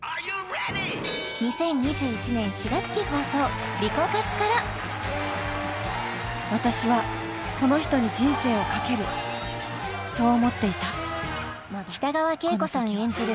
２０２１年４月期放送「リコカツ」から私はこの人に人生をかけるそう思っていた北川景子さん演じる